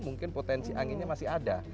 mungkin potensi anginnya masih ada